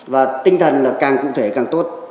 và tinh thần là càng cụ thể càng tốt